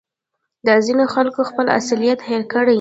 دا ځینو خلکو خپل اصلیت هېر کړی